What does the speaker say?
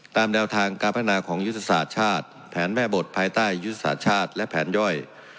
ตามแนวทางการพัฒนาของยุทธศาสตร์ชาติแผนแม่บทภายใต้ยุทธศาสตร์ชาติและแผนย่อย